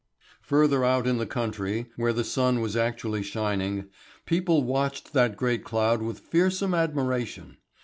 Further out in the country, where the sun was actually shining, people watched that great cloud with fearsome admiration.